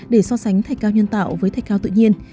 để so sánh thạch cao nhân tạo với thạch cao tự nhiên